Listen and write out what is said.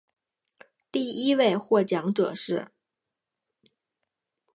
第一位获奖者是。